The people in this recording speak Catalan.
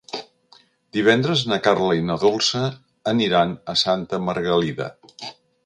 Divendres na Carla i na Dolça aniran a Santa Margalida.